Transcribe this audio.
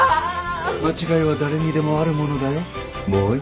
間違いは誰にでもあるものだよボーイ。